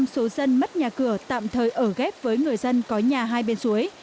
một trăm linh số dân mất nhà cửa tạm thời ở ghép với người dân có nhà hai bên suối